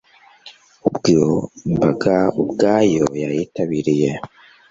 ubwo imbaga ubwayo yayitabiriye